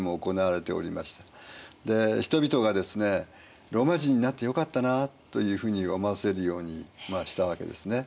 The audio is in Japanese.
人々がですねローマ人になってよかったなというふうに思わせるようにしたわけですね。